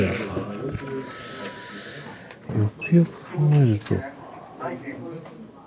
よくよく考えると。